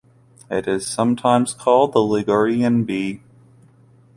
It is sometimes called the Ligurian bee.